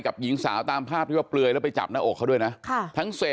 กับหญิงสาวตามภาพแล้วเปลือแล้วไปจับหน้าอกเขาด้วยนะค่ะ